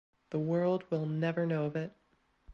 The world will never know of it.